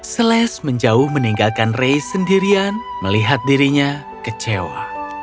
celeste menjauh meninggalkan reis sendirian melihat dirinya kecewa